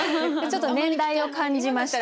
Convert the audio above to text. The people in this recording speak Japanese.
ちょっと年代を感じました。